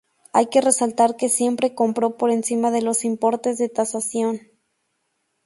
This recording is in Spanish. Hay que resaltar que siempre compró por encima de los importes de tasación.